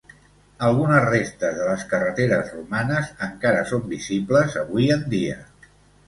Algunes restes de les carreteres romanes encara són visibles avui en dia.